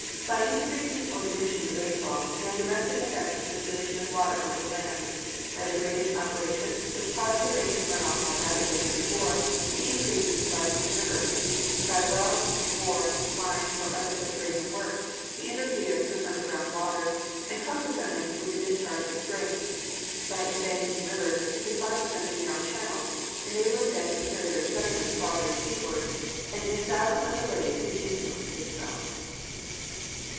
"By increasing or diminishing the rainfall, man directly affects the circulation of water over the land; by the drainage operations, which cause the rain to run off more rapidly than before, he increases floods in rivers ; by wells, bores, mines or other subterranean works, he interferes with underground waters and consequently with the dis charge of springs; by embanking rivers, he confines them to narrow channels, enabling them to carry their sediment farther seaward, and in a thousand other ways his influence is felt."